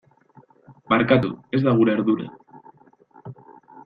Barkatu, ez da gure ardura.